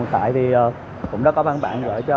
cũng đã có văn bản gửi cho